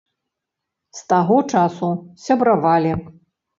З таго часу сябравалі.